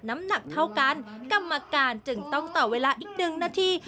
น้ำหนักเท่ากันกรรมการจึงต้องต่อเวลาอีกหนึ่งนาที